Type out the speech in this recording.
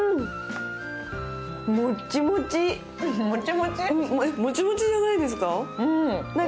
もっちもちじゃないですか。